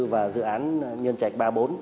và dự án nhân trạch ba mươi bốn